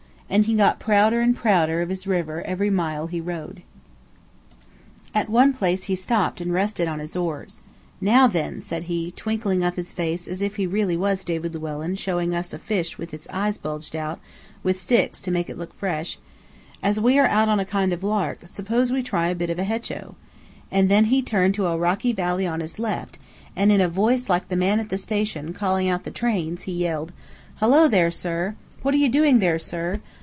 and he got prouder and prouder of his river every mile he rowed. At one place he stopped and rested on his oars. "Now, then," said he, twinkling up his face as if he was really David Llewellyn showing us a fish with its eyes bulged out with sticks to make it look fresh, "as we are out on a kind of a lark, suppose we try a bit of a hecho," and then he turned to a rocky valley on his left, and in a voice like the man at the station calling out the trains he yelled, "Hello there, sir! What are you doing there, sir?